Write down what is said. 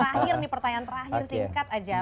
terakhir nih pertanyaan terakhir singkat aja